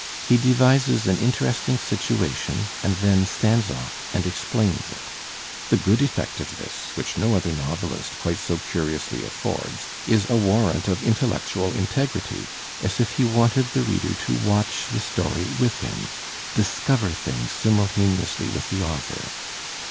He devises an interesting situation and then stands off and explaihs it. The good effect of this, which no other novelist quite so curiously affords, is a war rant of intellectual integrity, as if he wanted the reader to watch the story with him, discover things simultaneously with the author.